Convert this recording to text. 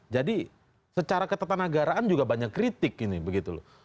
jadi secara ketatanagaraan juga banyak kritik ini begitu loh